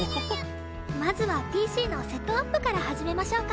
まずはＰＣのセットアップから始めましょうか。